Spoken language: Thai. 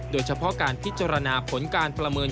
โดยเฉพาะการพิจารณาผลการประเมิน